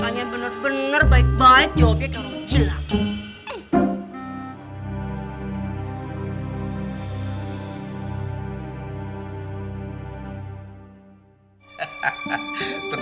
tanya bener bener baik baik jawabnya kamu